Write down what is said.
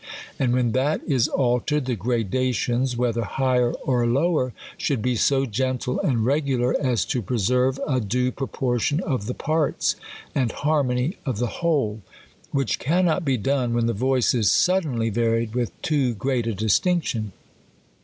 And when that is altered, the gradations, whedier higher or lower, should be so gentle and regular as to preserve a due pro portion of the parts, and hannony of the whole ; which carfnot be done, when the voice is suddenly varied with ;0 great a distinction.